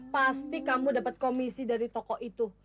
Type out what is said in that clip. pasti kamu dapat komisi dari toko itu